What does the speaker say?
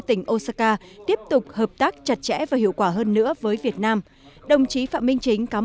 tỉnh osaka tiếp tục hợp tác chặt chẽ và hiệu quả hơn nữa với việt nam đồng chí phạm minh chính